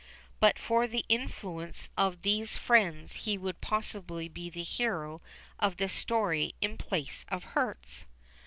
But for the influence of these friends he would possibly be the hero of this story in place of Hertz.